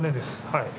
はい。